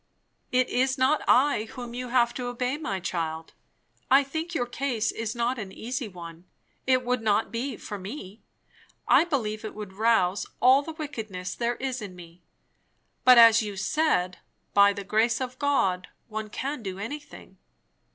"It is not I whom you have to obey, my child. I think your case is not an easy one; it would not be for me; I believe it would rouse all the wickedness there is in me; but, as you said, by the grace of God one can do anything.